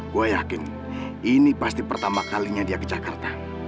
gue yakin ini pasti pertama kalinya dia ke jakarta